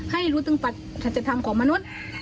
ให้รู้ถึงสัจธรรมของมนุษย์